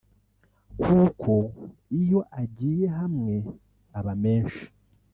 kuko iyo agiye hamwe aba menshi